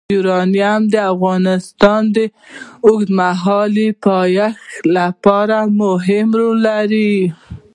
یورانیم د افغانستان د اوږدمهاله پایښت لپاره مهم رول لري.